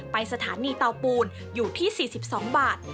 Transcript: ไปสถานีเตาปูนอยู่ที่๔๒บาท